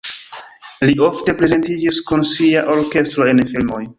Li ofte prezentiĝis kun sia orkestro en filmoj.